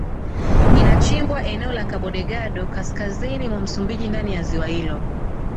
Inachimbwa eneo la Kabodelgado kaskazini mwa Msumbiji ndani ya ziwa hilo